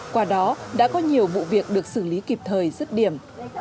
qua đó đã có nhiều vụ việc được xử lý kịp thời rứt điểm